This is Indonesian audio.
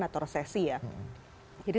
atau resesi ya jadi